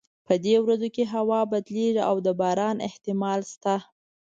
په دې ورځو کې هوا بدلیږي او د باران احتمال شته